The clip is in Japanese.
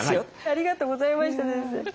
ありがとうございました先生。